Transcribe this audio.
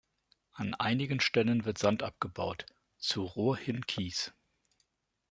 An einigen Stellen wird Sand abgebaut, zur Rur hin Kies.